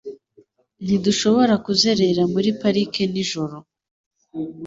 Ntidushobora kuzerera muri parike nijoro